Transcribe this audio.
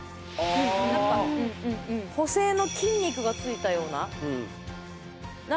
なんか補整の筋肉がついたような。